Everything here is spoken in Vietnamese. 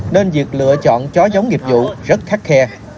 nên việc lựa chọn chó giống nghiệp vụ rất khắt khe